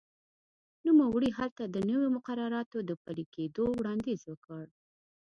نوموړي هلته د نویو مقرراتو د پلي کېدو وړاندیز وکړ.